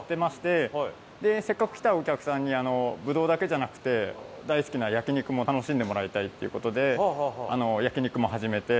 でせっかく来たお客さんにぶどうだけじゃなくて大好きな焼肉も楽しんでもらいたいっていう事で焼肉も始めて。